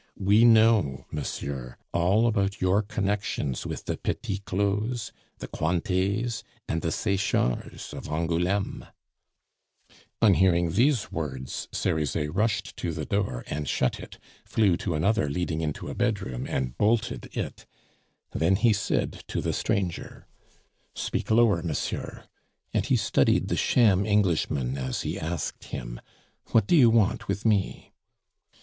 We know, monsieur, all about your connections with the Petit Clauds, the Cointets, and the Sechards of Angouleme " On hearing these words, Cerizet rushed to the door and shut it, flew to another leading into a bedroom and bolted it; then he said to the stranger: "Speak lower, monsieur," and he studied the sham Englishman as he asked him, "What do you want with me?"